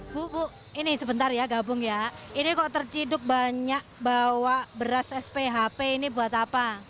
bu bu ini sebentar ya gabung ya ini kok terciduk banyak bawa beras sphp ini buat apa